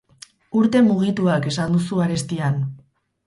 Urte mugituak esan duzu arestian.